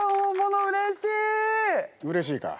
うれしいか？